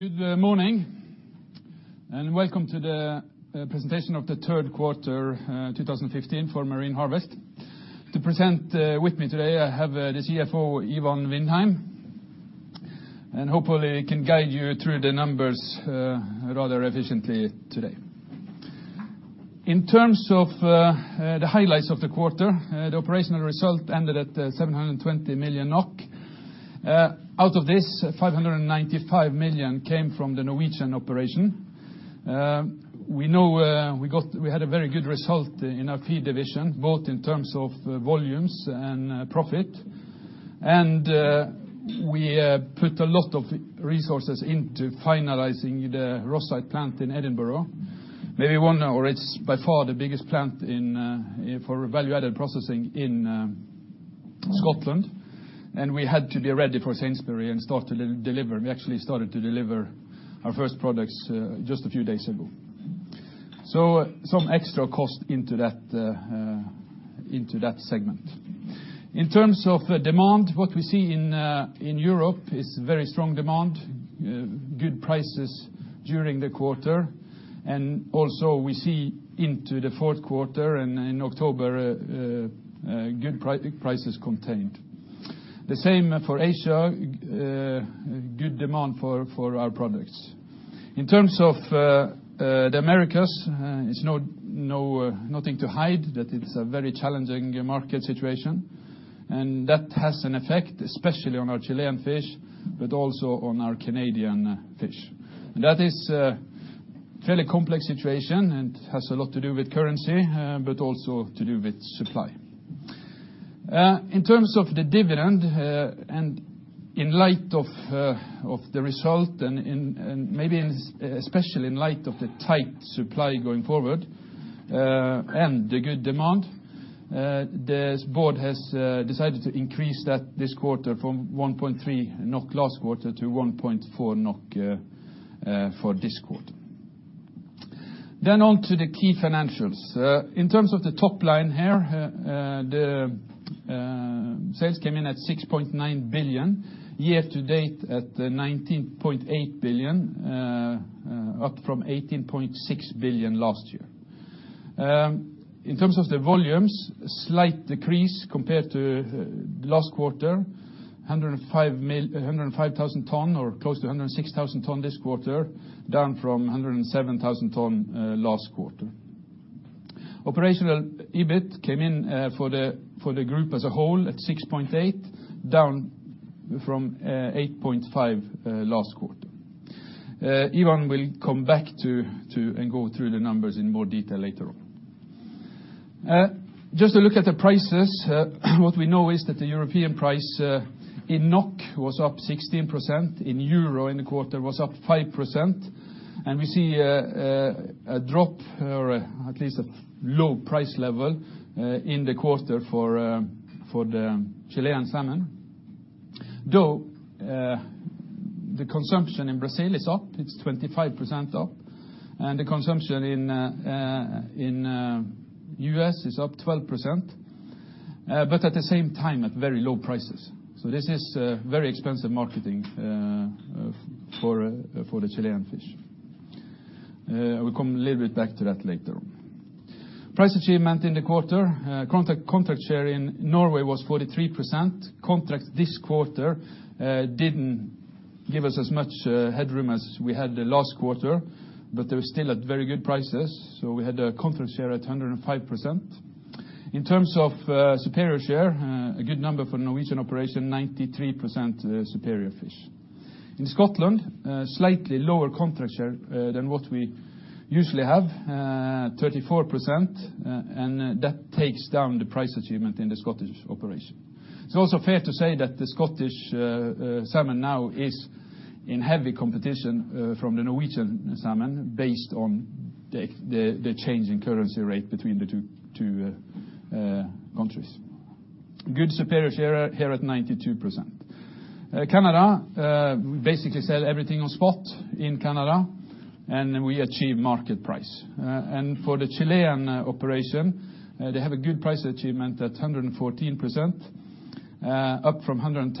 Good morning, and welcome to the presentation of the third quarter 2015 for Marine Harvest. To present with me today, I have the CFO, Ivan Vindheim. And hopefully we can guide you through the numbers rather efficiently today. In terms of the highlights of the quarter, the operational result ended at 720 million NOK. Out of this, 595 million came from the Norwegian operation. We know we had a very good result in our feed division, both in terms of volumes and profit. We put a lot of resources into finalizing the Rosyth plant in Edinburgh. Maybe one hour, its by far the biggest plant for value-added processing in Scotland. And we had to be ready for Sainsbury's and start to deliver. We actually started to deliver our 1st products just a few days ago. Some extra cost into that segment. In terms of the demand, what we see in Europe is very strong demand, good prices during the quarter, and also we see into the fourth quarter and in October, good prices contained. The same for Asia, good demand for our products. In terms of the Americas, it's nowhere, nothing to hide that it's a very challenging market situation, and that has an effect especially on our Chilean fish, but also on our Canadian fish. And that is a fairly complex situation and has a lot to do with currency, but also to do with supply. In terms of the dividend and in light of the result and maybe especially in light of the tight supply going forward and the good demand, the board has decided to increase that this quarter from 1.3 NOK last quarter to 1.4 NOK for this quarter. Then on to the key financials. In terms of the top line here, the sales came in at 6.9 billion, year-to-date at 19.8 billion, up from 18.6 billion last year. In terms of the volumes, a slight decrease compared to last quarter, 105,000 tonnes or close to 106,000 tonnes this quarter, down from 107,000 tonnes last quarter. Operational EBIT came in for the group as a whole at 6.8, down from 8.5 last quarter. Ivan will come back to and go through the numbers in more detail later on. Just to look at the prices, what we know is that the European price in NOK was up 16%, in EUR in the quarter was up 5%. We see a drop or at least a low price level in the quarter for the Chilean salmon, though the consumption in Brazil is up, it's 25% up, and the consumption in U.S. is up 12%, but at the same time at very low prices. This is very expensive marketing for the Chilean fish. We'll come a little bit back to that later on. Price achievement in the quarter. Contract share in Norway was 43%. Contract this quarter didn't give us as much headroom as we had the last quarter. They're still at very good prices. We had a contract share at 105%. In terms of superior share, a good number for Norwegian operation, 93% superior fish. In Scotland, slightly lower contract share than what we usually have, 34%, and that takes down the price achievement in the Scottish operation. It's also fair to say that the Scottish salmon now is in heavy competition from the Norwegian salmon based on the change in currency rate between the two countries. Good superior share here at 92%. Canada, we basically sell everything on spot in Canada and we achieve market price. And for the Chilean operation, they have a good price achievement at 114%, up from 110%,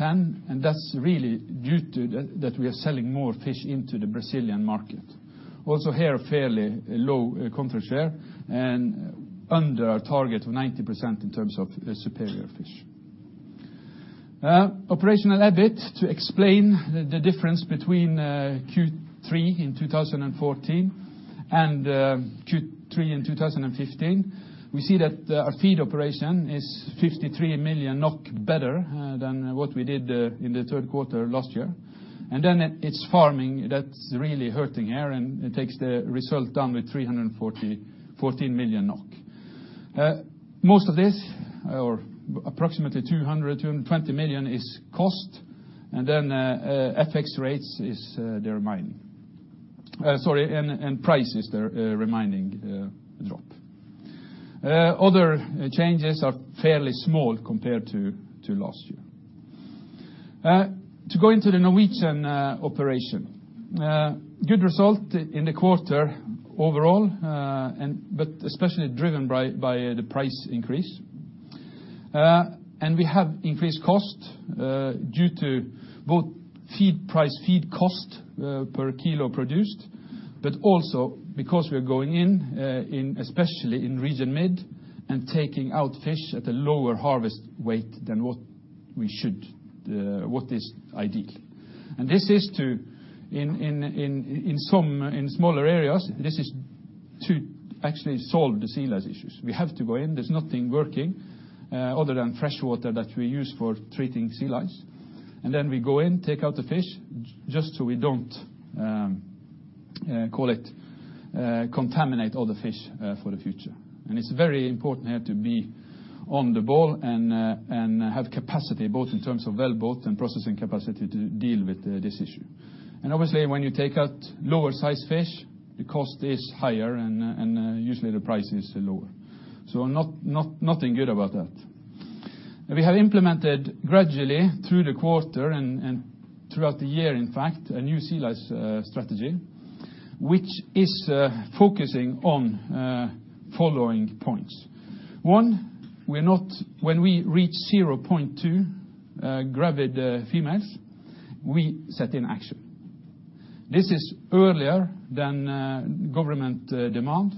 and that's really due to that we are selling more fish into the Brazilian market. Also here, fairly low contract share and under our target of 90% in terms of superior fish. Operational EBIT to explain the difference between Q3 in 2014 and Q3 in 2015. We see that our feed operation is 53 million NOK better than what we did in the third quarter last year. It's farming that's really hurting here, and it takes the result down to 314 million NOK. Most of this or approximately 220 million is cost, FX rates is the remaining. Sorry, prices they're remaining drop. Other changes are fairly small compared to last year. To go into the Norwegian operation. Good result in the quarter overall, but especially driven by the price increase. We have increased cost due to both feed price, feed cost per kilo produced, but also because we are going in, especially in Region Mid, and taking out fish at a lower harvest weight than what we should- what is ideal. And this is to- in some smaller areas, this is to actually solve the sea lice issues. We have to go in. There's nothing working other than freshwater that we use for treating sea lice. And then we go in, take out the fish, just so we don't contaminate all the fish for the future. It's very important to be on the ball and have capacity, both in terms of wellboats and processing capacity to deal with this issue. And obviously, when you take out lower size fish, the cost is higher and usually the price is lower. Nothing good about that. We have implemented gradually through the quarter and throughout the year, in fact, a new sea lice strategy, which is focusing on following points. One, we're not- when we reach 0.2 gravid females, we set in action. This is earlier than government demand,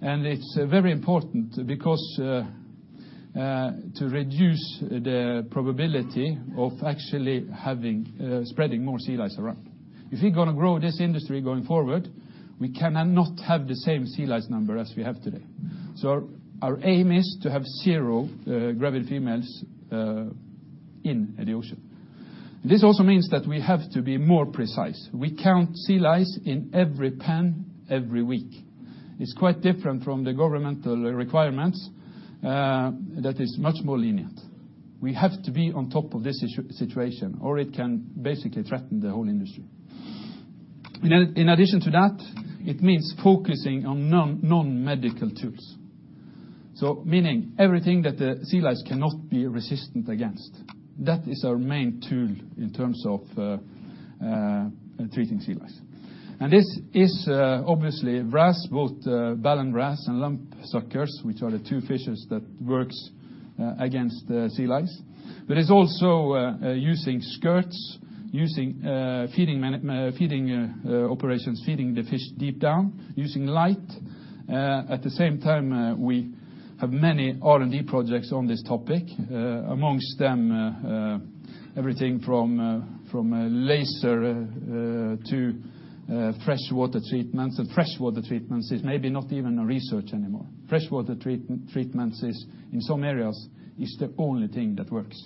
and it's very important because to reduce the probability of actually spreading more sea lice around. If we're going to grow this industry going forward, we cannot have the same sea lice number as we have today. Our aim is to have zero gravid females in the ocean. This also means that we have to be more precise. We count sea lice in every pen every week. It's quite different from the governmental requirements that is much more lenient. We have to be on top of this situation, or it can basically threaten the whole industry. In addition to that, it means focusing on non-medical tools. Meaning everything that the sea lice cannot be resistant against. That is our main tool in terms of treating sea lice. This is obviously wrasse, both ballan wrasse and lumpsuckers, which are the two fishes that works against sea lice. It's also using skirts, using feeding operations, feeding the fish deep down, using light. At the same time, we have many R&D projects on this topic. Amongst them, everything from laser to freshwater treatments. Freshwater treatments is maybe not even research anymore. Freshwater treatments in some areas is the only thing that works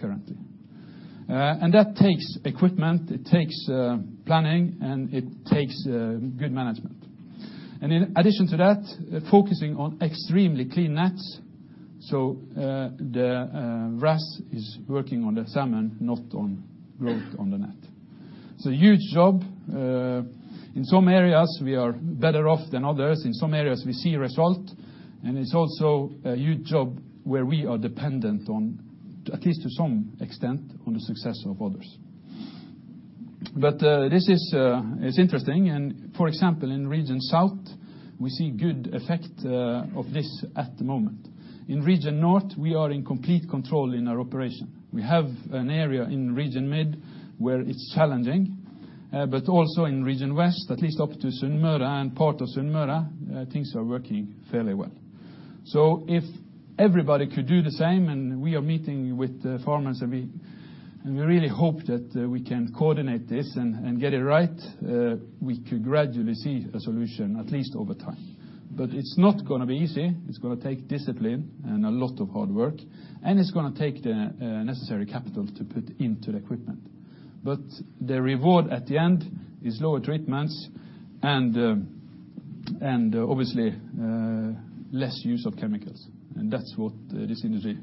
currently. And that takes equipment, it takes planning, and it takes good management. In addition to that, focusing on extremely clean nets, so the wrasse is working on the salmon, not on growth on the net. It's a huge job. In some areas, we are better off than others. In some areas, we see result. And it's also a huge job where we are dependent on, at least to some extent, on the success of others. But this is interesting. For example, in Region South, we see good effect of this at the moment. In Region North, we are in complete control in our operation. We have an area in Region Mid where it's challenging, but also in Region West, at least up to Sunnmøre and part of Sunnmøre, things are working fairly well. If everybody could do the same, and we are meeting with the farmers, and we really hope that we can coordinate this and get it right, we could gradually see a solution, at least over time. But it's not going to be easy. It's going to take discipline and a lot of hard work, and it's going to take the necessary capital to put into the equipment. But the reward at the end is lower treatments and obviously less use of chemicals, and that's what this industry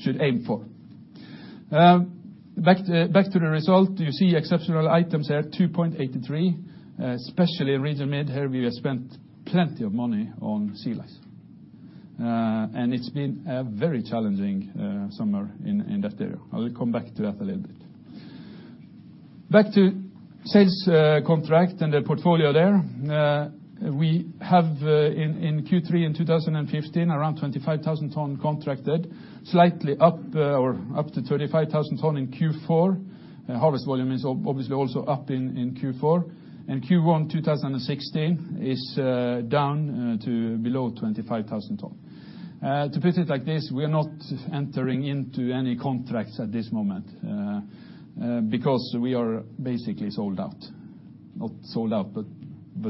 should aim for. Back to the result. You see exceptional items there, 2.83, especially in Region Mid. Here we have spent plenty of money on sea lice, and it's been a very challenging summer in that area. I'll come back to that a little bit. Back to sales contract and the portfolio there. We have in Q3 in 2015, around 25,000 tonnes contracted, slightly up or up to 35,000 tonnes in Q4. Harvest volume is obviously also up in Q4. In Q1 2016 is down to below 25,000 tonnes. To put it like this, we are not entering into any contracts at this moment because we are basically sold out. Not sold out, but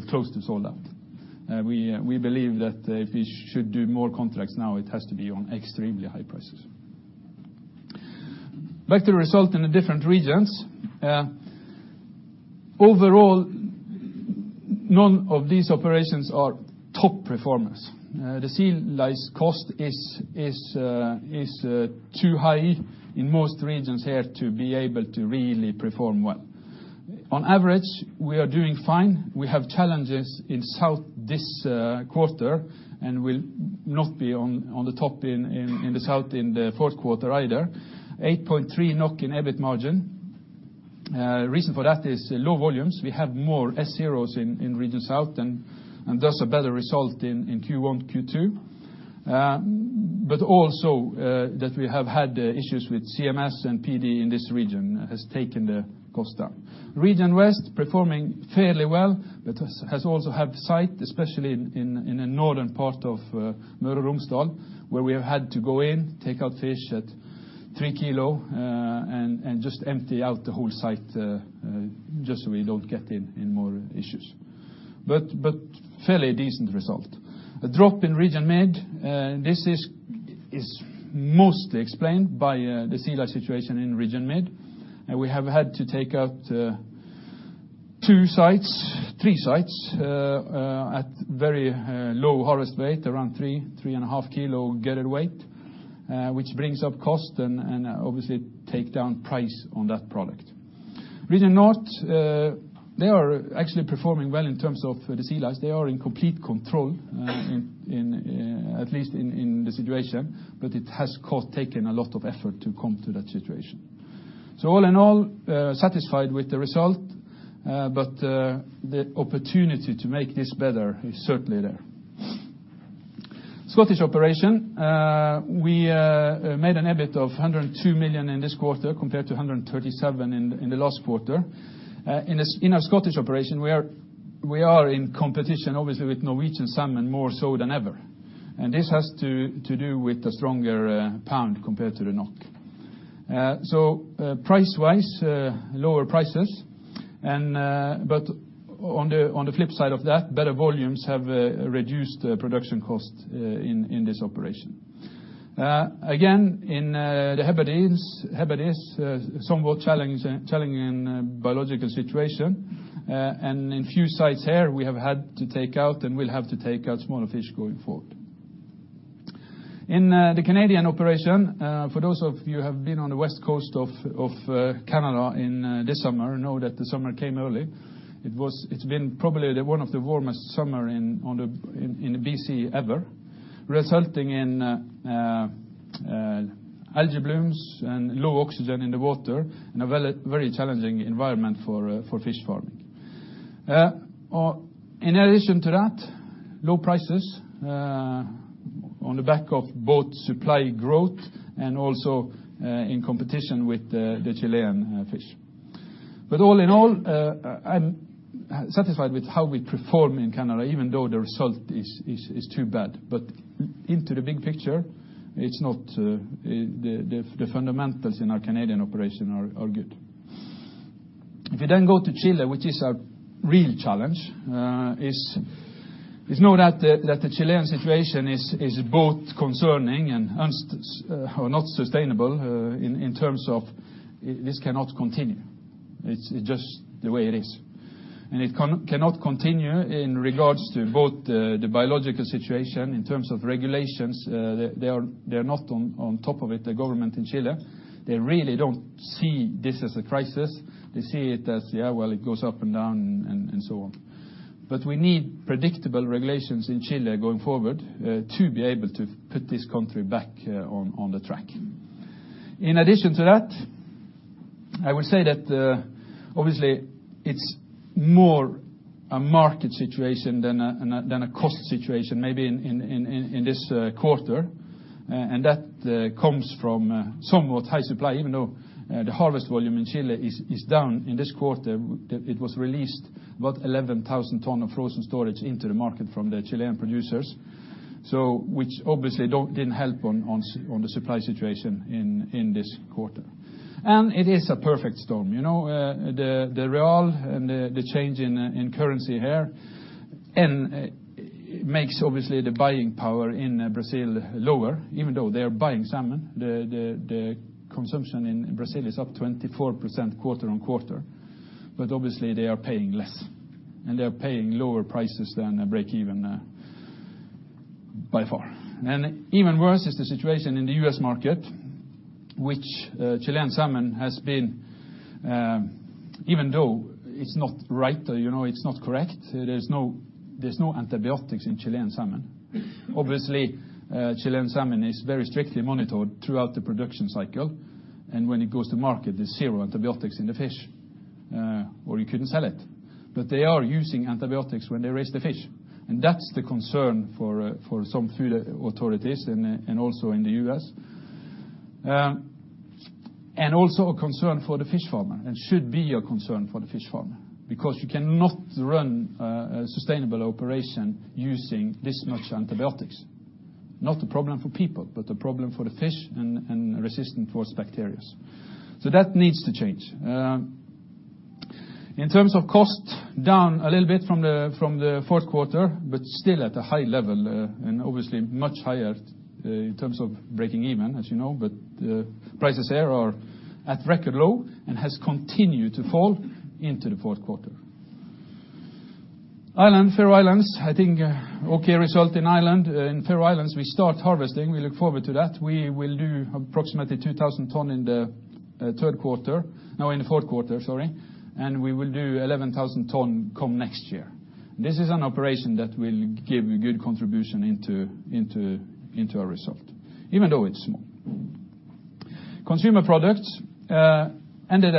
close to sold out. We believe that if we should do more contracts now, it has to be on extremely high prices. Back to results in the different regions. Overall, none of these operations are top performing. The sea lice cost is too high in most regions here to be able to really perform well. On average, we are doing fine. We have challenges in South this quarter and will not be on the top in the South in the fourth quarter either. 8.3 NOK in EBIT margin. The reason for that is low volumes. We had more S0s in Region South and thus a better result in Q1 and Q2. Also that we have had issues with CMS and PD in this region has taken the cost up. Region West performing fairly well, also has had site, especially in the northern part of where we have had to go in, take out fish at 3 kg, and just empty out the whole site just so we don't get any more issues. But fairly decent result. The drop in Region Mid, this is mostly explained by the sea lice situation in Region Mid. We have had to take out three sites at very low harvest weight, around 3.5 kg gutted weight, which brings up cost and obviously take down price on that product. Region North, they are actually performing well in terms of the sea lice. They are in complete control, at least in the situation, but it has taken a lot of effort to come to that situation. All in all, satisfied with the result, but the opportunity to make this better is certainly there. Scottish operation. We made an EBIT of 102 million in this quarter compared to 137 million in the last quarter. In our Scottish operation, we are in competition, obviously, with Norwegian salmon, more so than ever. And this has to do with the stronger pound compared to the NOK. Price-wise, lower prices, but on the flip side of that, better volumes have reduced the production cost in this operation. Again, in the Hebrides, somewhat challenging biological situation. In a few sites here, we have had to take out and will have to take out smaller fish going forward. In the Canadian operation, for those of you who have been on the west coast of Canada this summer know that the summer came early. It's been probably one of the warmest summer in B.C. ever, resulting in algae blooms and low oxygen in the water and a very challenging environment for fish farming. In addition to that, low prices on the back of both supply growth and also in competition with the Chilean fish. All in all, I am satisfied with how we perform in Canada, even though the result is too bad. Into the big picture, the fundamentals in our Canadian operation are good. If we go to Chile, which is a real challenge, you know that the Chilean situation is both concerning and not sustainable in terms of this cannot continue. It is just the way it is. It cannot continue in regards to both the biological situation in terms of regulations. They are not on top of it, the government in Chile. They really do not see this as a crisis. They see it as, yeah, well, it goes up and down, and so on. But we need predictable regulations in Chile going forward to be able to put this country back on the track. In addition to that, I would say that obviously it's more a market situation than a cost situation, maybe in this quarter. And that comes from somewhat high supply, even though the harvest volume in Chile is down. In this quarter, it was released about 11,000 tonnes of frozen storage into the market from the Chilean producers. Which obviously didn't help on the supply situation in this quarter. It is a perfect storm. The Real and the change in currency here makes obviously the buying power in Brazil lower, even though they're buying salmon. The consumption in Brazil is up 24% quarter-on-quarter, but obviously they are paying less, and they are paying lower prices than breakeven by far. Even worse is the situation in the U.S. market, which Chilean salmon has been- even though it's not right, it's not correct. There's no antibiotics in Chilean salmon. Obviously, Chilean salmon is very strictly monitored throughout the production cycle. When it goes to market, there's zero antibiotics in the fish, or you couldn't sell it. But they are using antibiotics when they raise the fish and that's the concern for some food authorities and also in the U.S. And also a concern for the fish farmer, and should be a concern for the fish farmer, because you cannot run a sustainable operation using this much antibiotics. Not a problem for people, but a problem for the fish and resistant force bacterias. So that needs to change. In terms of cost, down a little bit from the fourth quarter, but still at a high level and obviously much higher in terms of breaking even, as you know. Prices there are at record low and has continued to fall into the fourth quarter. Ireland, Faroe Islands. I think okay result in Ireland. In Faroe Islands, we start harvesting. We look forward to that. We will do approximately 2,000 ton in the third quarter. No, in the fourth quarter, sorry. We will do 11,000 ton come next year. This is an operation that will give a good contribution into our result, even though it's small. Consumer products ended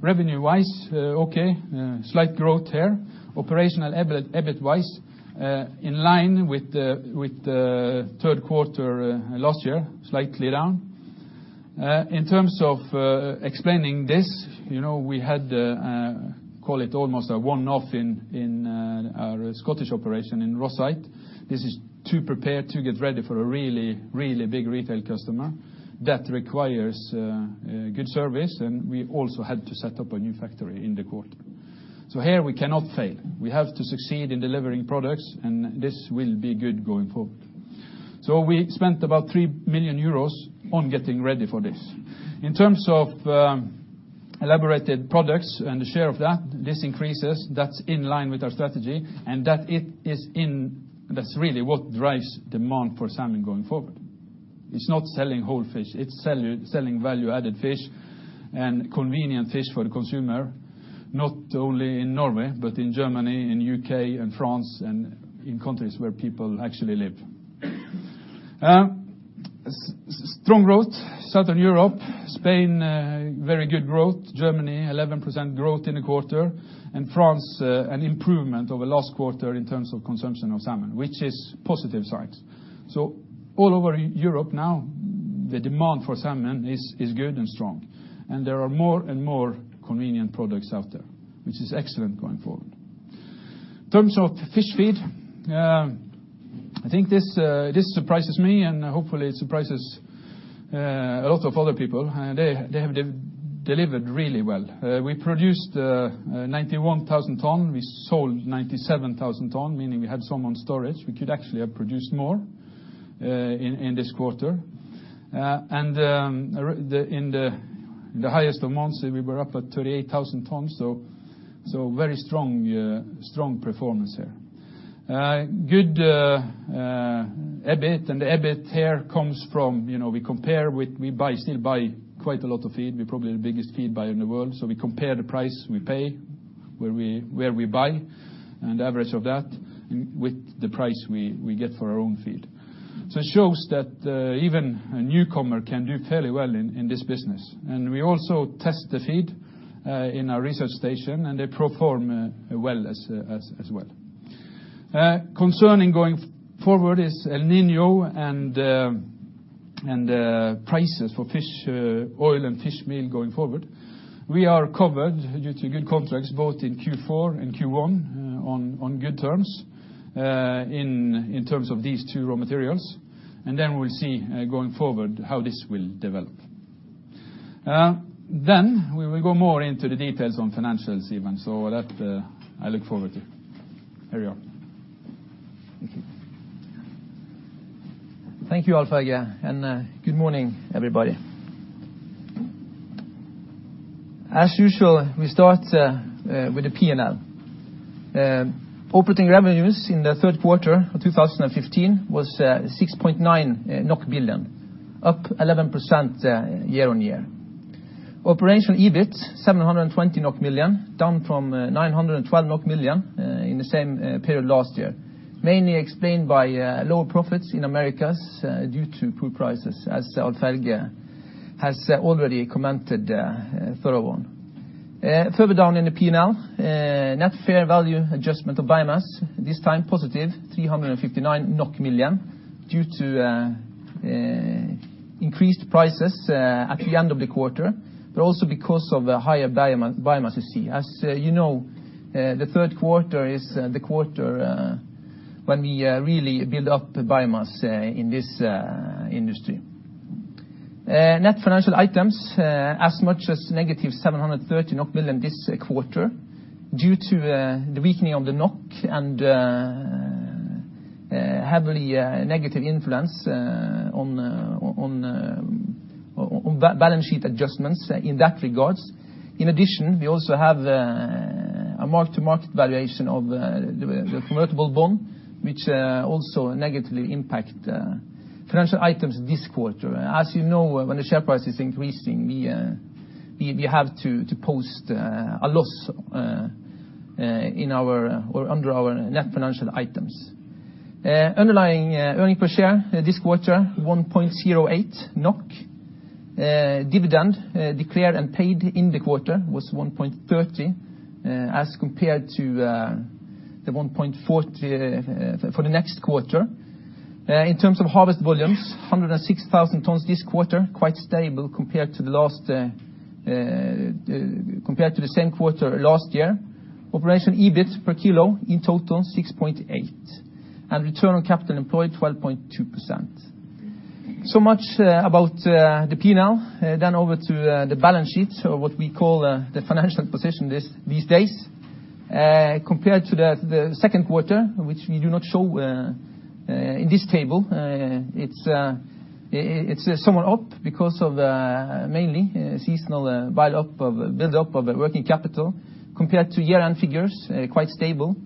revenue-wise, okay, slight growth here. Operational, EBIT-wise, in line with the third quarter last year, slightly down. In terms of explaining this, we had call it almost a one-off in our Scottish operation in Rosyth. This is to prepare to get ready for a really, really big retail customer that requires good service, and we also had to set up a new factory in the quarter. Here we cannot fail. We have to succeed in delivering products, this will be good going forward. We spent about 3 million euros on getting ready for this. In terms of elaborated products and the share of that, this increases. That's in line with our strategy, that's really what drives demand for salmon going forward. It's not selling whole fish, it's selling value-added fish and convenient fish for the consumer, not only in Norway, but in Germany, in U.K., in France, in countries where people actually live. Strong growth, Southern Europe, Spain, very good growth, Germany, 11% growth in the quarter, France, an improvement over last quarter in terms of consumption of salmon, which is positive signs. All over Europe now, the demand for salmon is good and strong, and there are more and more convenient products out there, which is excellent going forward. In terms of fish feed, I think this surprises me and hopefully it surprises a lot of other people. They have delivered really well. We produced 91,000 tonnes. We sold 97,000 tonnes, meaning we had some on storage. We could actually have produced more in this quarter. In the highest of months, we were up at 38,000 tonnes, so very strong performance here. Good EBIT, and the EBIT here comes from, you know, we compare with- we buy, still buy quite a lot of feed. We are probably the biggest feed buyer in the world. We compare the price we pay, where we buy, and average of that with the price we get for our own feed. It shows that even a newcomer can do fairly well in this business. We also test the feed in our research station, and they perform well as well. Concerning going forward is El Niño and prices for fish oil and fish meal going forward. We are covered due to good contracts both in Q4 and Q1 on good terms in terms of these two raw materials, and then we'll see going forward how this will develop. Then, we will go more into the details on financials, Ivan, so with that I look forward to. Hurry up. Thank you, Alf-Helge, and good morning, everybody. As usual, we start with the P&L. Operating revenues in the third quarter of 2015 was 6.9 billion NOK, up 11% year-on-year. Operational EBIT, 720 million NOK, down from 912 million NOK in the same period last year, mainly explained by lower profits in Americas due to poor prices, as Alf-Helge has already commented thorough on. And further down in the P&L. Net fair value adjustment of biomass, this time positive, 359 million NOK, due to increased prices at the end of the quarter, but also because of the higher biomass you see. As you know, the third quarter is the quarter when we really build up the biomass in this industry. Net financial items, as much as -730 million NOK this quarter, due to the weakening of the NOK and heavily negative influence on balance sheet adjustments in that regards. In addition, we also have a mark-to-market valuation of the convertible bond, which also negatively impact financial items this quarter. As you know, when the share price is increasing, we have to post a loss under our net financial items. Underlying earnings per share this quarter, 1.08 NOK. Dividend declared and paid in the quarter was 1.30 as compared to the 1.40 for the next quarter. In terms of harvest volumes, 106,000 tonnes this quarter, quite stable compared to the last, compared to the same quarter last year. Operational EBIT per kilo, in total, 6.8 and return on capital employed, 12.2%. Much about the P&L. Over to the balance sheet, or what we call the financial position these days. Compared to the second quarter, which we do not show in this table, it's somewhat up because of mainly seasonal build-up of working capital. Compared to year-end figures, quite stable.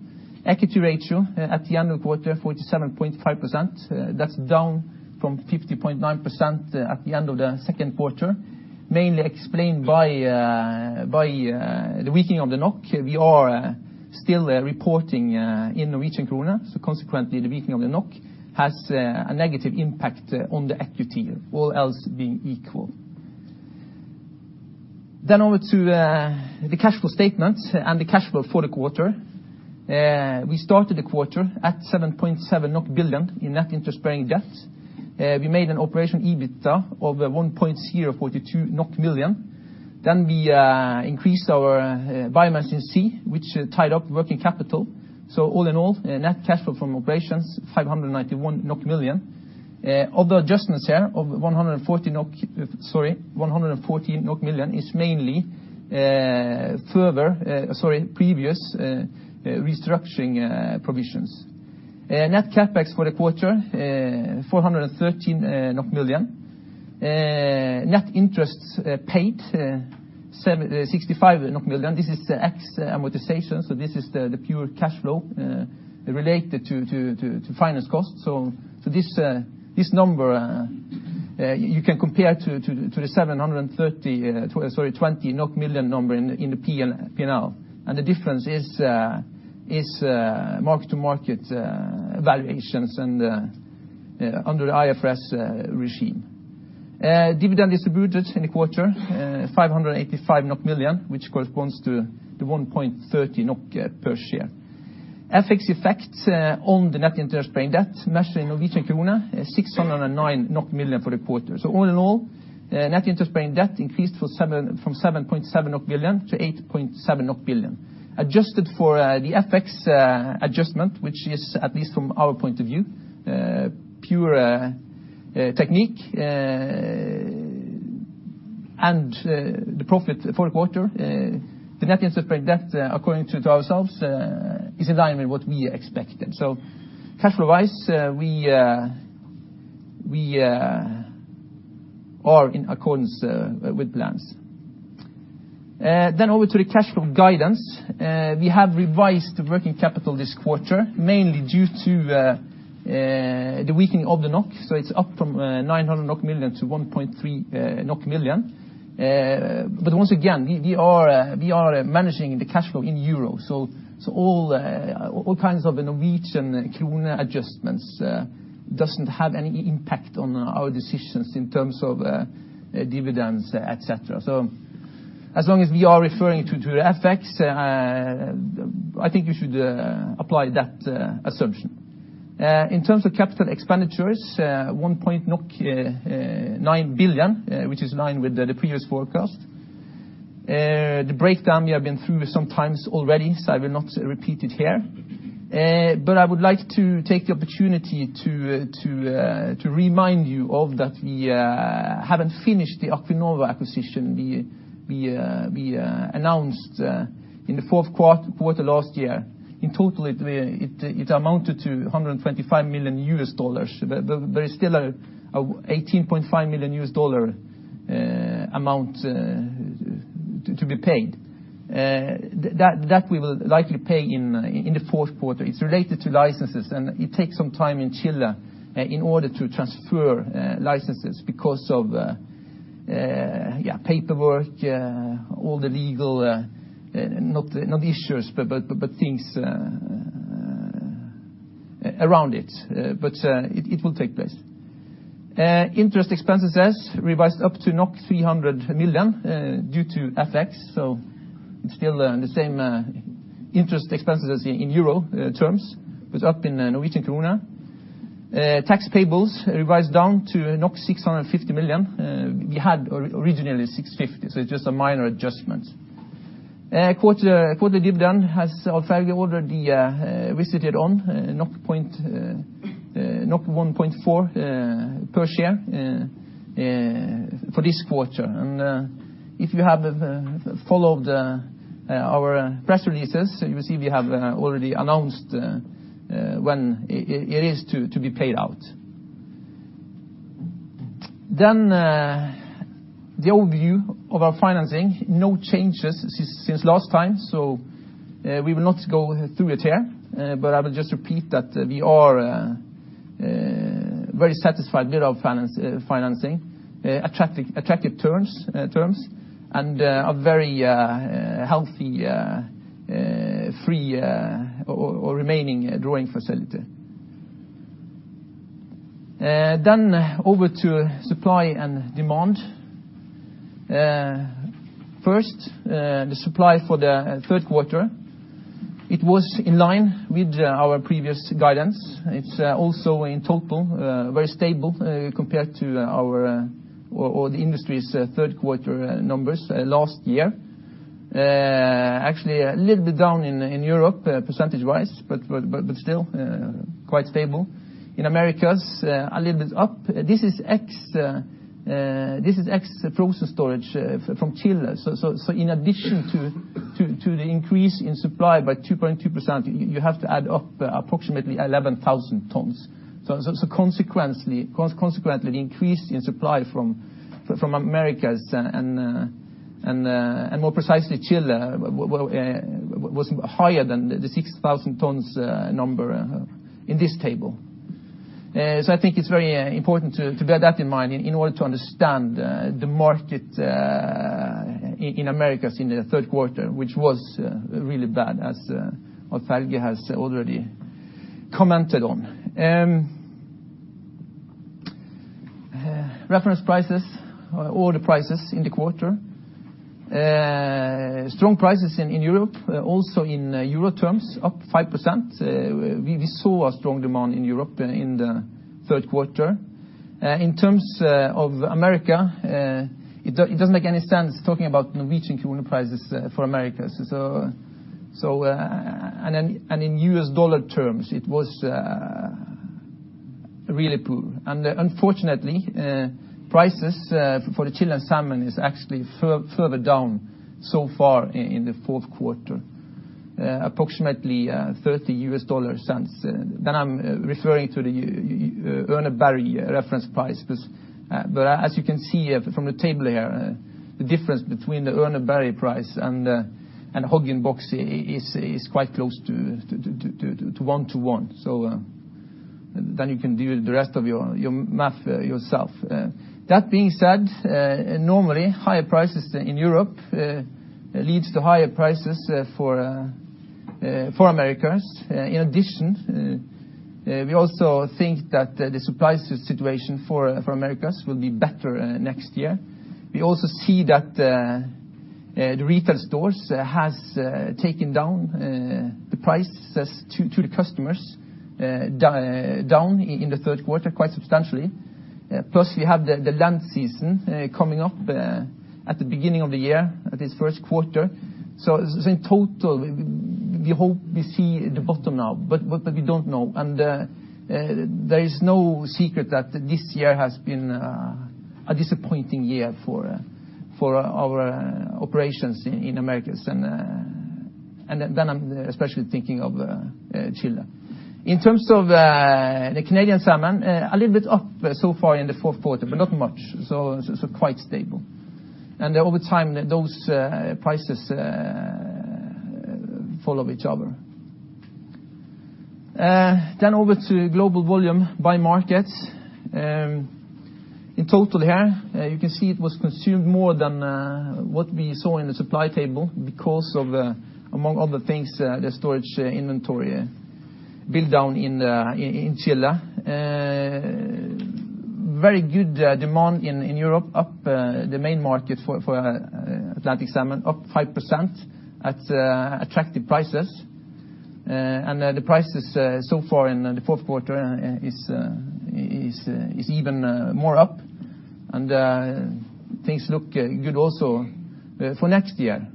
Equity ratio at the end of the quarter, 47.5%. That's down from 50.9% at the end of the second quarter, mainly explained by the weakening of the NOK. We are still reporting in Norwegian kroner. Consequently, the weakening of the NOK has a negative impact on the equity all else being equal. Over to the cash flow statement and the cash flow for the quarter. We started the quarter at 7.7 billion in net interest-bearing debt. We made an operational EBITDA of 1.042 billion NOK. We increased our biomass in sea, which tied up working capital. All in all, net cash flow from operations 591 million NOK. Other adjustments here of 114 NOK- sorry 114 million NOK is mainly previous restructuring provisions. Net CapEx for the quarter, 413 million NOK. Net interest paid 65 million NOK. This is the ex-amortization. This is the pure cash flow related to finance cost. This number you can compare to the 720 million NOK number in the P&L. And the difference is mark-to-market valuations under IFRS regime. Dividend distributed in the quarter 585 million NOK, which corresponds to 1.30 NOK per share. FX effect on the net interest-bearing debt measured in Norwegian kroner is 609 million NOK for the quarter. All in all, net interest-bearing debt increased from 7.7 billion NOK to 8.7 billion NOK. Adjusted for the FX adjustment, which is at least from our point of view, pure technique and the profit for the quarter. The net interest-bearing debt according to ourselves is in line with what we expected. Cash flow-wise, we are in accordance with plans. Then over to the cash flow guidance. We have revised the working capital this quarter, mainly due to the weakening of the NOK. It's up from 900 million NOK to 1.3 billion NOK. Once again, we are managing the cash flow in euro. All kinds of the Norwegian kroner adjustments doesn't have any impact on our decisions in terms of dividends, et cetera. As long as we are referring to the FX, I think we should apply that assumption. In terms of capital expenditures, 1.9 billion, which is in line with the previous forecast. The breakdown we have been through sometimes already, so I will not repeat it here. But I would like to take the opportunity to remind you of that we haven't finished the Acuinova acquisition we announced in the fourth quarter for the last year. In total, it amounted to $125 million, but it's still a $18.5 million amount to be paid. That we will likely pay in the fourth quarter. It's related to licenses, and it takes some time in Chile in order to transfer licenses because of paperwork, all the legal, not issues, but things around it. It will take place. Interest expenses revised up to 300 million due to FX. It's still the same interest expenses in EUR terms, but up in NOK. Tax payables revised down to 650 million. We had originally 650, so just a minor adjustment. Quarter dividend has already visited on 1.4 per share for this quarter. If you have followed our press releases, you see we have already announced when it is to be paid out. Then the overview of our financing. No changes since last time, so we will not go through it here. But I will just repeat that we are very satisfied with our financing. Attractive terms, and a very healthy free or remaining drawing facility. Then, over to supply and demand. First, the supply for the third quarter. It was in line with our previous guidance. It's also in total very stable compared to our or the industry's third quarter numbers last year. Actually a little bit down in Europe percentage-wise, but still quite stable. In Americas, a little bit up. This is ex frozen storage from Chile. In addition to the increase in supply by 2.2%, you have to add up approximately 11,000 tonnes. Consequently, the increase in supply from Americas and more precisely Chile, was higher than the 6,000 tons number in this table. I think it's very important to bear that in mind in order to understand the market in Americas in the third quarter, which was really bad, as Alf-Helge has already commented on. Reference prices or the prices in the quarter. Strong prices in Europe, also in EURO terms, up 5%. We saw a strong demand in Europe in the third quarter. In terms of America, it doesn't make any sense talking about Norwegian reference prices for Americas. In U.S. dollar terms, it was really poor. Unfortunately, prices for the Chilean salmon is actually further down so far in the fourth quarter, approximately $30 since then. I'm referring to the Urner Barry reference price. But as you can see from the table here, the difference between the Urner Barry price and HOG in box is quite close to 1:1. Then you can do the rest of your math yourself. That being said, normally higher prices in Europe leads to higher prices for Americas. We also think that the supply situation for Americas will be better next year. We also see that the retail stores has taken down the prices to the customers down in the third quarter quite substantially. We have the Lent season coming up at the beginning of the year, at this first quarter. In total, we hope we see the bottom now, but we don't know. There is no secret that this year has been a disappointing year for our operations in Americas. And I'm especially thinking of Chile. In terms of the Canadian salmon, a little bit up so far in the fourth quarter, but not much. Quite stable. Over time, those prices follow each other. Over to global volume by markets. In total here, you can see it was consumed more than what we saw in the supply table because of, among other things, the storage inventory build-down in Chile. Very good demand in Europe, up the main market for Atlantic salmon, up 5% at attractive prices. And the prices so far in the fourth quarter is even more up. Things look good also for next year.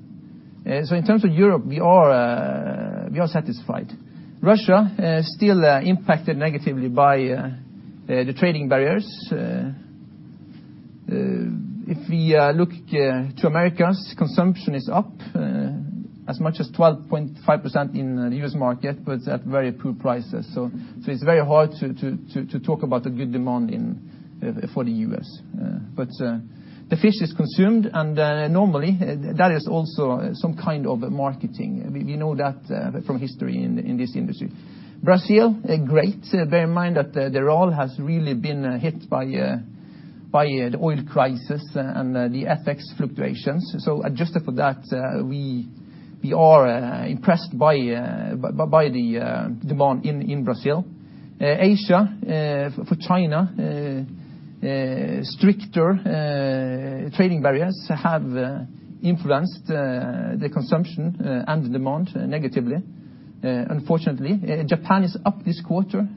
In terms of Europe, we are satisfied. Russia still impacted negatively by the trading barriers. If we look to Americas, consumption is up as much as 12.5% in the U.S. market, but it's at very poor prices. It's very hard to talk about a good demand for the U.S. The fish is consumed, and normally that is also some kind of marketing. We know that from history in this industry. Brazil, great. Bear in mind that they all have really been hit by the oil crisis and the FX fluctuations. Adjusted for that, we are impressed by the demand in Brazil. Asia, for China, stricter trading barriers have influenced the consumption and demand negatively, unfortunately. Japan is up this quarter.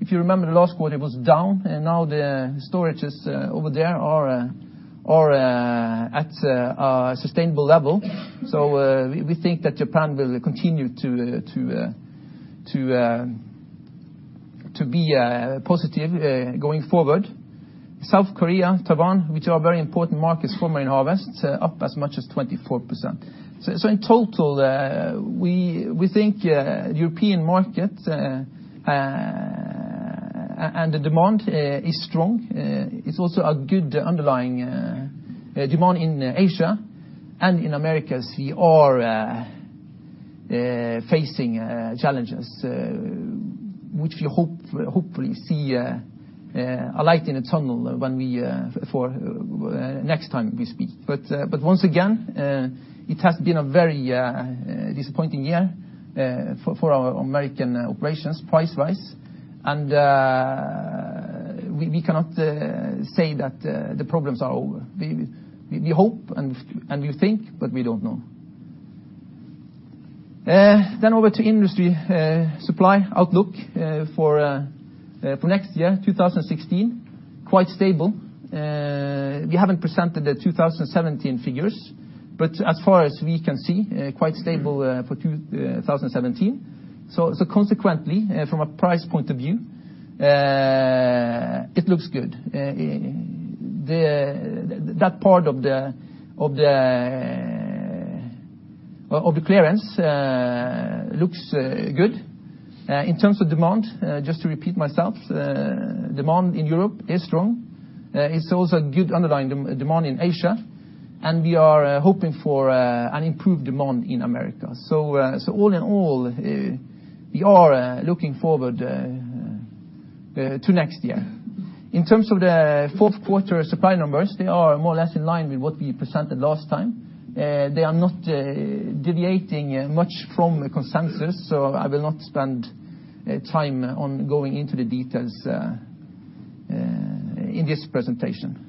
If you remember last quarter, it was down, and now the storages over there are at a sustainable level. We think that Japan will continue to be positive going forward. South Korea and Taiwan, which are very important markets for Marine Harvest, up as much as 24%. In total, we think European market and the demand is strong. It's also a good underlying demand in Asia and in Americas. We are facing challenges, which we hopefully see a light in the tunnel for next time we speak. But once again, it has been a very disappointing year for our American operations price-wise, and we cannot say that the problems are over. We hope and we think, but we don't know. Over to industry supply outlook for next year, 2016. Quite stable. We haven't presented the 2017 figures, but as far as we can see, quite stable for 2017. Consequently, from a price point of view, it looks good. That part of the clearance looks good. In terms of demand, just to repeat myself, demand in Europe is strong. It's also a good underlying demand in Asia and we are hoping for an improved demand in America. All in all, we are looking forward to next year. In terms of the fourth quarter supply numbers, they are more or less in line with what we presented last time. They are not deviating much from the consensus, so I will not spend time on going into the details in this presentation.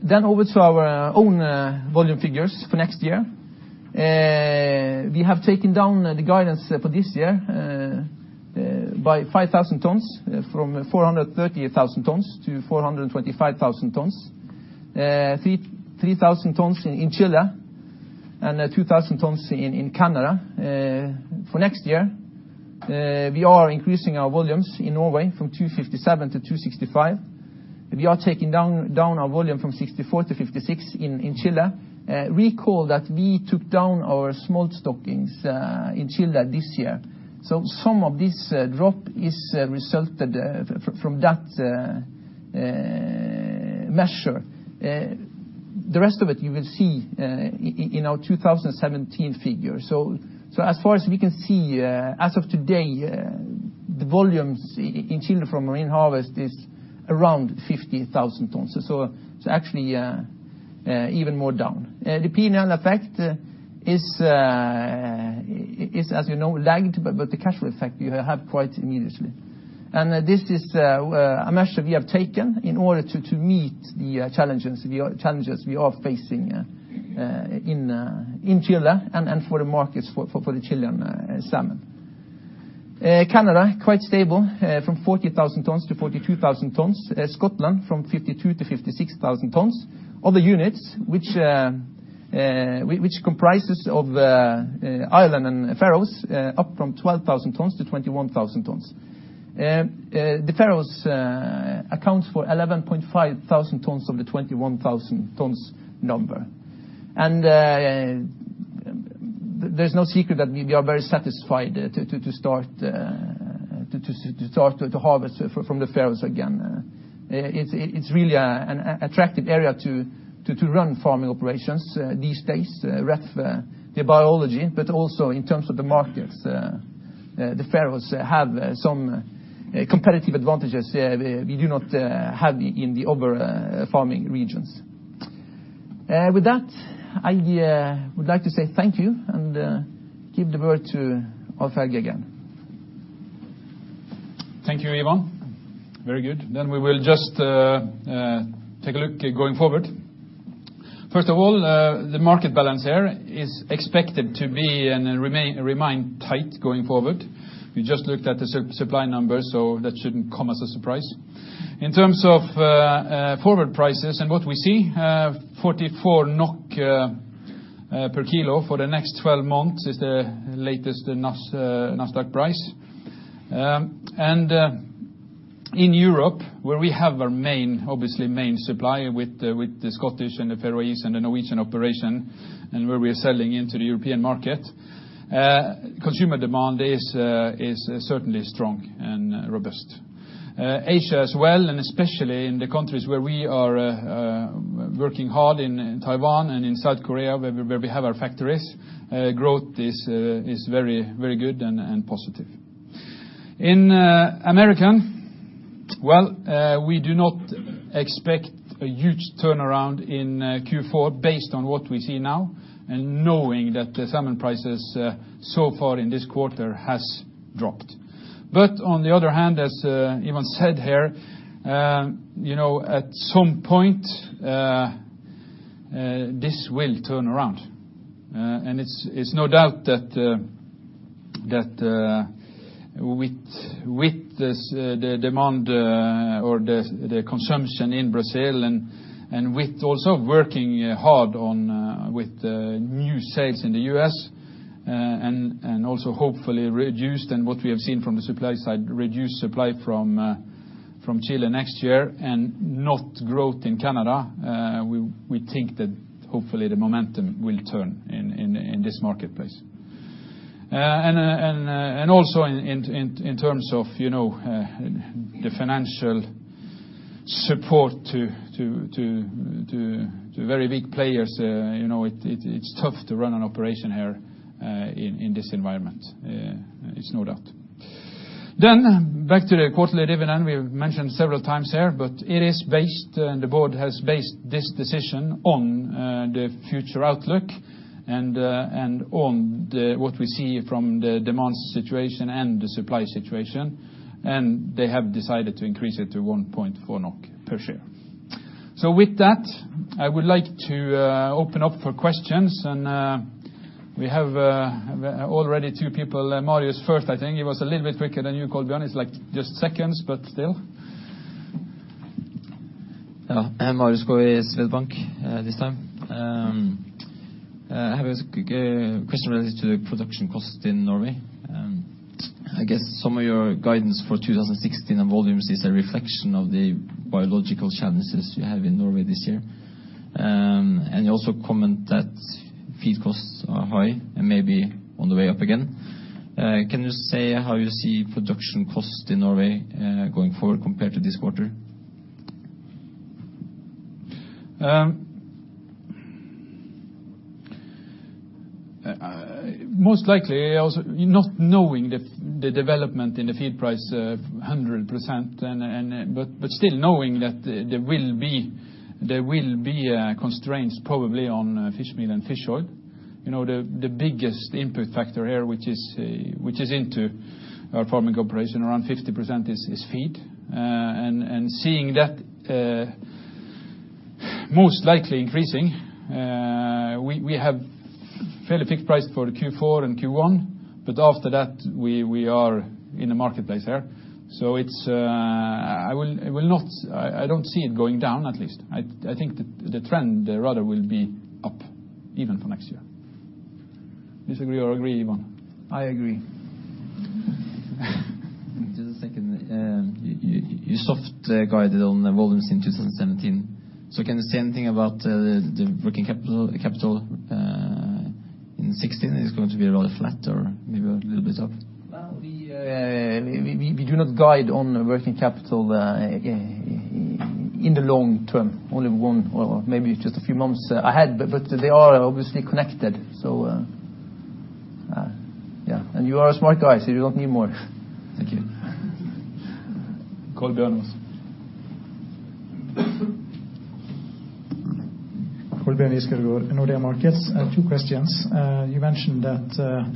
Then over to our own volume figures for next year. We have taken down the guidance for this year by 5,000 tonnes from 438,000 tonnes to 435,000 tonnes, 3,000 tonnes in Chile and 2,000 tonnes in Canada. For next year, we are increasing our volumes in Norway from 257 to 265. We are taking down our volume from 64 to 56 in Chile. Recall that we took down our smolt stockings in Chile this year, so some of this drop is resulted from that measure. The rest of it you will see in our 2017 figures. As far as we can see as of today, the volumes in Chile from Marine Harvest is around 50,000 tonnes. It's actually even more down. And the P&L effect is, as you know, lagged, but the cash flow effect we will have quite immediately. This is a measure we have taken in order to meet the challenges we are facing in Chile and for the markets for the Chilean salmon. Canada, quite stable, from 40,000 tonnes to 42,000 tonnes. Scotland from 52,000 tonnes to 56,000 tonnes. Other units, which comprises of Ireland and Faroes, up from 12,000 tonnes to 21,000 tonnes. The Faroes accounts for 11,500 tonnes of the 21,000 tonnes number. There's no secret that we are very satisfied to start the harvest from the Faroes again. It's really an attractive area to run farming operations these days with the biology, but also in terms of the markets. The Faroes have some competitive advantages we do not have in the other farming regions. And with that, I would like to say thank you and give the word to Alf-Helge again. Thank you, Ivan. Very good. Then we will just take a look going forward. First of all, the market balance here is expected to remain tight going forward. We just looked at the supply numbers, that shouldn't come as a surprise. In terms of forward prices and what we see, 44 NOK per kilo for the next 12 months is the latest Nasdaq price. In Europe, where we have our obviously main supply with the Scottish and the Faroese and the Norwegian operation and where we're selling into the European market, consumer demand is certainly strong and robust. Asia as well, especially in the countries where we are working hard in Taiwan and in South Korea where we have our factories, growth is very good and positive. In American, well, we do not expect a huge turnaround in Q4 based on what we see now and knowing that the salmon prices so far in this quarter has dropped. But on the other hand, as Ivan said here, at some point, this will turn around. It's no doubt that with the demand or the consumption in Brazil and with also working hard on with the new sales in the U.S. and also hopefully reduced and what we have seen from the supply side, reduced supply from Chile next year and not growth in Canada, we think that hopefully the momentum will turn in this marketplace. And also in terms of the financial support to very big players, it's tough to run an operation here in this environment, it's no doubt. Then, back to the quarterly dividend we've mentioned several times here, but the board has based this decision on the future outlook and on what we see from the demand situation and the supply situation, and they have decided to increase it to 1.4 NOK per share. With that, I would like to open up for questions, and we have already two people. Marius first, I think. He was a little bit quicker than you, Kolbjørn. It's just seconds, but still. Yeah. Marius Gaard, SpareBank this time. He has a question related to production costs in Norway. I guess some of your guidance for 2016 volumes is a reflection of the biological challenges you have in Norway this year. And you also comment that Feed costs are high and maybe on the way up again. Can you say how you see production costs in Norway going forward compared to this quarter? Most likely, not knowing the development in the feed price 100%, but still knowing that there will be constraints probably on fish meal and fish oil. The biggest input factor here, which is into our farming operation, around 50%, is feed. Seeing that most likely increasing, we have fairly fixed price for Q4 and Q1, but after that, we are in the marketplace there. So, it's a, I don't see it going down, at least. I think the trend rather will be up even for next year. Do you agree, Ivan? I agree. Just a second. You soft guided on volumes in 2017. Can you say anything about the working capital in 2016? Is it going to be a lot flatter, maybe a little bit up? We do not guide on the working capital in the long term, only one or maybe just a few months ahead. But they are obviously connected, so. You are a smart guy, so you don't need more. Thank you. Kolbjørn. Kolbjørn Giskeødegård, Nordea Markets. Two questions. You mentioned that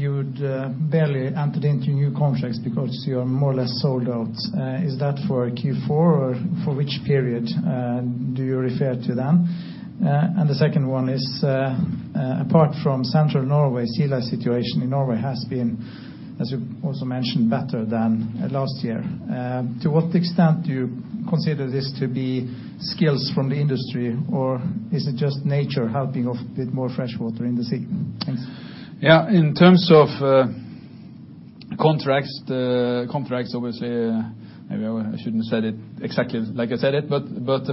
you would barely enter into new contracts because you are more or less sold out. Is that for Q4, or for which period do you refer to then? And the second one is, apart from the central Norway sea lice situation, Norway has been, as you also mentioned, better than last year. To what extent do you consider this to be skills from the industry, or is it just nature helping with more freshwater in the sea? Thanks. Yeah. In terms of contracts, obviously, maybe I shouldn't have said it exactly like I said it, but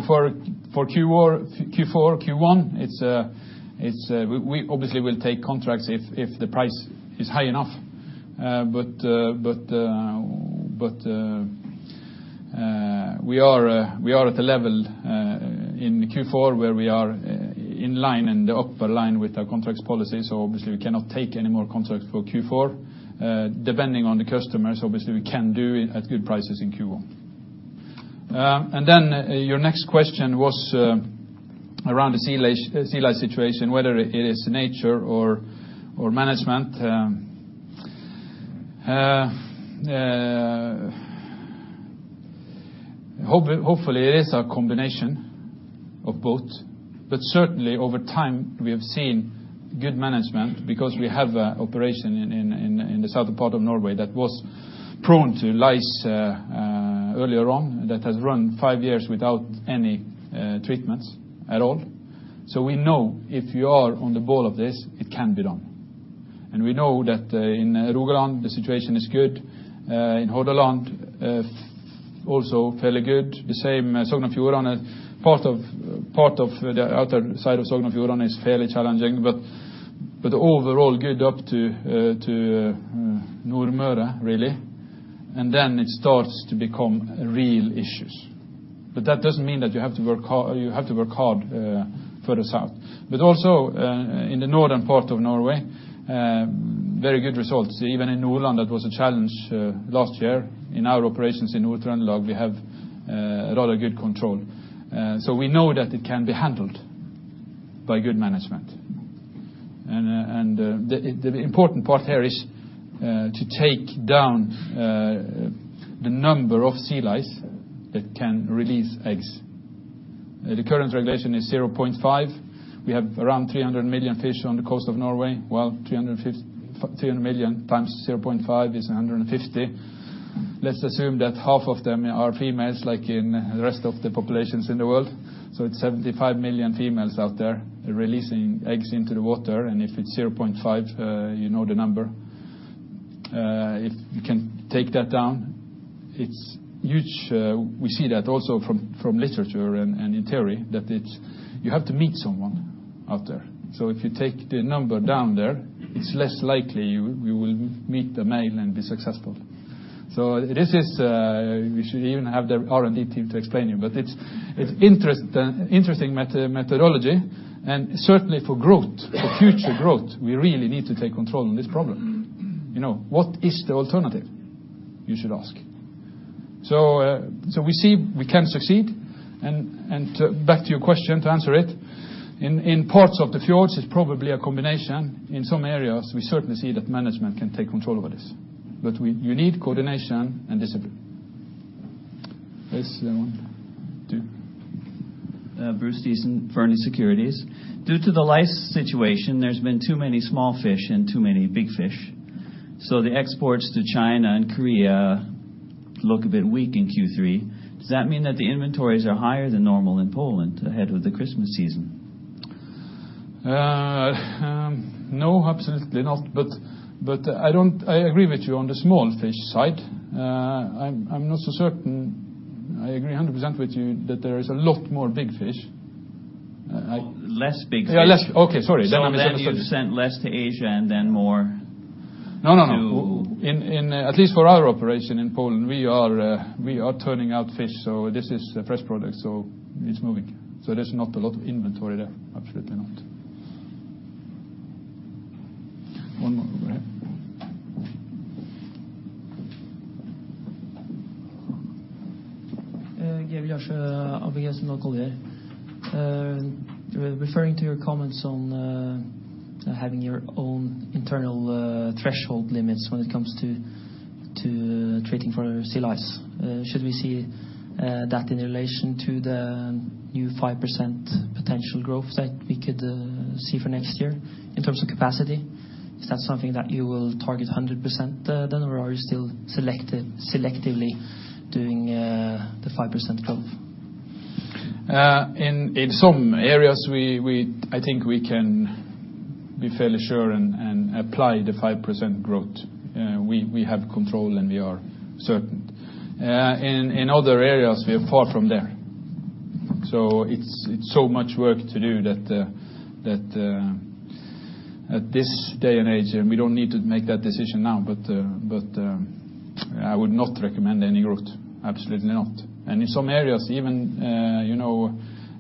for Q4, Q1, it's a, it's a- we obviously will take contracts if the price is high enough. But we are at a level in Q4 where we are in line, in the upper line with our contract policy. Obviously, we cannot take any more contracts for Q4. Depending on the customers, obviously, we can do it at good prices in Q1. And then your next question was around the sea lice situation, whether it is nature or management. Hopefully, it is a combination of both. But certainly, over time, we have seen good management because we have an operation in the southern part of Norway that was prone to lice earlier on that has run five years without any treatments at all. We know if you are on the ball of this, it can be done. And we know that in Rogaland, the situation is good. In Hordaland, also fairly good. The same Sognefjorden. Part of the outer side of Sognefjorden is fairly challenging. Overall, good up to Nordmøre, really. And then it starts to become real issues. But that doesn't mean that you have to work hard further south. Also, in the northern part of Norway, very good results. Even in Nordland, that was a challenge last year. In our operations in Nordland, we have a lot of good control. We know that it can be handled by good management. The important part there is to take down the number of sea lice that can release eggs. The current regulation is 0.5. We have around 300 million fish on the coast of Norway. Well, 300 million times 0.5 is 150. Let's assume that half of them are females, like in the rest of the populations in the world. It's 75 million females out there. They're releasing eggs into the water, and if it's 0.5, you know the number. If you can take that down, it's huge. We see that also from literature and in theory, that you have to meet someone out there. If you take the number down there, it's less likely you will meet the male and be successful. We should even have the R&D team to explain it. It's interesting methodology, certainly for growth, for future growth, we really need to take control of this problem. What is the alternative? You should ask. We can succeed. Back to your question, to answer it. In parts of the fjords, it's probably a combination. In some areas, we certainly see that management can take control of this. You need coordination and discipline. Bruce Diesen, Fearnley Securities. Due to the lice situation, there's been too many small fish and too many big fish. The exports to China and Korea look a bit weak in Q3. Does that mean that the inventories are higher than normal in Poland ahead of the Christmas season? No, absolutely not. But I don't- I agree with you on the small fish side. I'm not so certain. I agree 100% with you that there is a lot more big fish. Less big fish. Yeah, less- Okay, sorry. 11% less to Asia, than more to... No. No, no. At least for our operation in Poland, we are turning out fish. This is a fresh product, so it's moving. There's not a lot of inventory there, absolutely not. One moment. Georg Liasjø, ABG Sundal Collier. Referring to your comments on having your own internal threshold limits when it comes to treating for sea lice. Should we see that in relation to the new 5% potential growth that we could see for next year in terms of capacity? Is that something that you will target 100% or are you still selectively doing the 5% growth? In some areas, I think we can be fairly sure and apply the 5% growth. We have control, and we are certain. In other areas, we are far from there. It's so much work to do that, at this day and age, and we don't need to make that decision now, but I would not recommend any growth, absolutely not. In some areas, even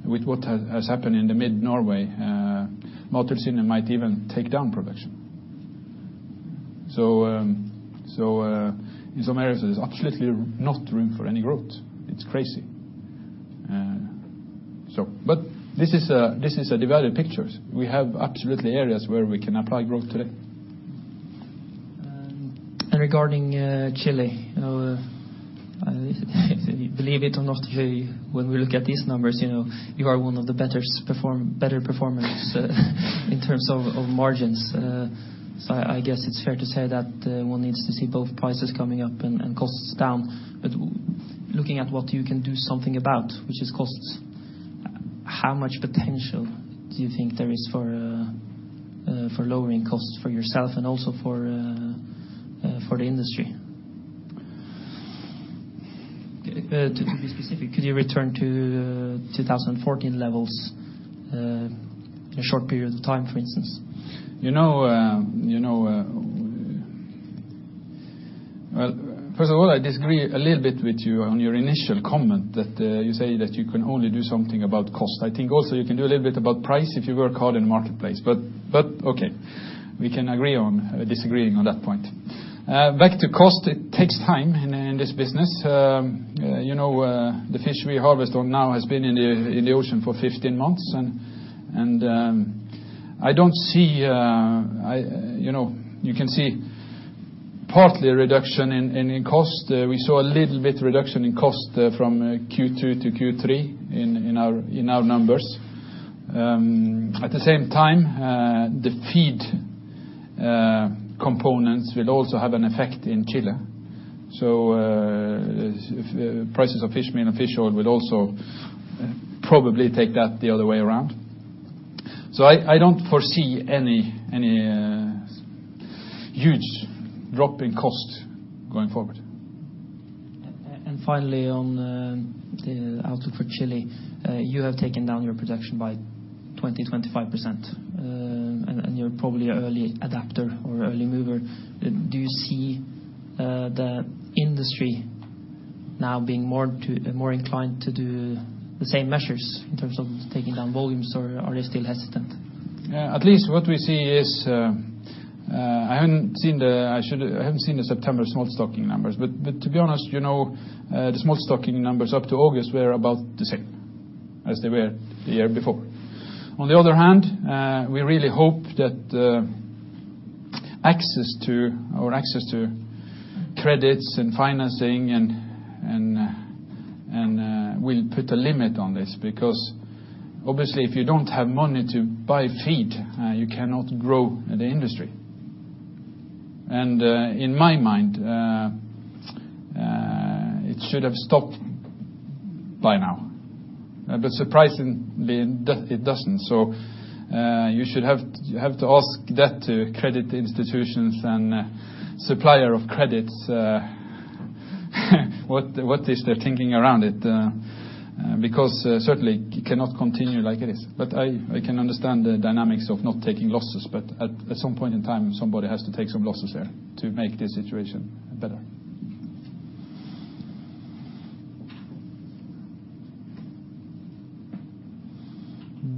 with what has happened in the mid-Norway, Mowi might even take down production. In some areas, there's absolutely not room for any growth. It's crazy. So, but, this is a divided picture. We have absolutely areas where we can apply growth today. Regarding Chile. Believe it or not, Chile, when we look at these numbers, you are one of the better performers in terms of margins. I guess it's fair to say that one needs to see both prices coming up and costs down. Looking at what you can do something about, which is costs, how much potential do you think there is for lowering costs for yourself and also for the industry? To be specific, could you return to 2014 levels in a short period of time, for instance? You know, first of all, I disagree a little bit with you on your initial comment that you say that you can only do something about cost. I think, cost, so you can do a little bit about the price if you were calling it market place. But, okay. We can agree on disagreeing on that point. Back to cost. It takes time in this business. You know, the fish we harvest now has been in the ocean for 15 months, and I don't see, you can see partly a reduction in cost. We saw a little bit reduction in cost from Q2 to Q3 in our numbers. At the same time, the feed components will also have an effect in Chile. If the prices of fish meal and fish oil will also probably take that the other way around. I don't foresee any huge drop in cost going forward. Finally, on the outlook for Chile. You have taken down your production by 20%, 25%, and you're probably an early adapter or early mover. Do you see the industry now being more inclined to do the same measures in terms of taking down volumes, or are they still hesitant? At least what we see. I haven't seen the September smolt stocking numbers, but to be honest, the smolt stocking numbers up to August were about the same as they were the year before. On the other hand, we really hope that access to or our access to credit and financing will put a limit on this, because obviously, if you don't have money to buy fish feed, you cannot grow the industry. In my mind, it should have stopped by now. Surprisingly, it doesn't. You have to ask that to credit institutions and supplier of credit, what is their thinking around it, because certainly it cannot continue like this. But I can understand the dynamics of not taking losses, at some point in time, somebody has to take some losses there to make the situation better.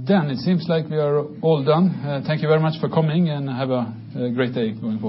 Done. It seems like we are all done. Thank you very much for coming and have a great day going.